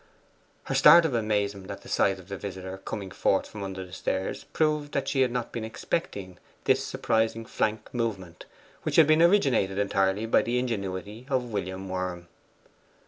Her start of amazement at the sight of the visitor coming forth from under the stairs proved that she had not been expecting this surprising flank movement, which had been originated entirely by the ingenuity of William Worm.